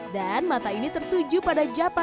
dan mata ini tertuju pada dia